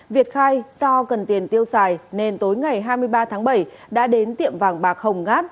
việt khai do cần tiền tiêu xài nên tối ngày hai mươi ba tháng bảy đã đến tiệm vàng bạc hồng ngát